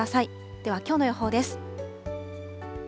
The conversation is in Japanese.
では、きょうの予報です。